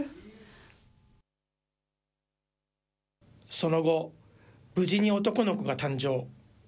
その後、無事に男の子が誕生。